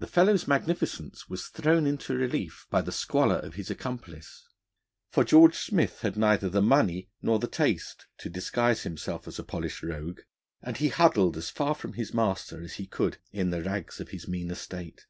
The fellow's magnificence was thrown into relief by the squalor of his accomplice. For George Smith had neither the money nor the taste to disguise himself as a polished rogue, and he huddled as far from his master as he could in the rags of his mean estate.